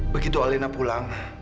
begitu alena pulang